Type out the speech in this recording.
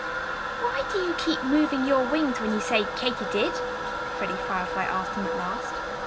"Why do you keep moving your wings when you say Katy did?" Freddie Firefly asked him at last.